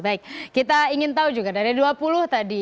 baik kita ingin tahu juga dari dua puluh tadi